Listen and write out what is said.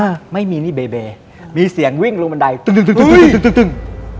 อ่าไม่มีนี่เบเบมีเสียงวิ่งลงบันไดตึ้งตึ้งตึ๊ตึ้ง